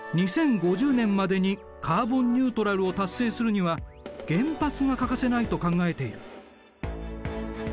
２０５０年までにカーボンニュートラルを達成するには原発が欠かせないと考えている。